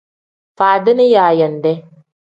Faadini yaayande.